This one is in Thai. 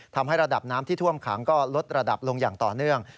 ทำให้ระดับน้ำที่ท่วมขังก็ลดระดับลงอย่างต่อเนื่อง